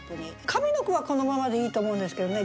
上の句はこのままでいいと思うんですけどね